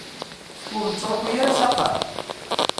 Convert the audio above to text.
Ur ittruḥu ara s axxam?